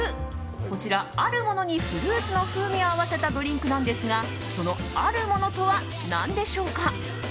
こちら、あるものにフルーツの風味を合わせたドリンクなんですがそのあるものとは何でしょうか？